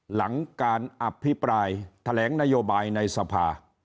หลังการอภิปรายแถลงนโยบายในสภา